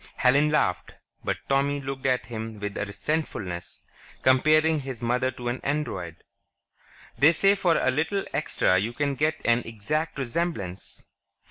Helen laughed, but Tommy looked at him with a resentfulness. Comparing his mother to an Android.... "They say for a little extra you can get an exact resemblance.